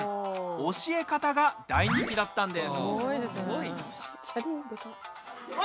教え方が大人気だったんです。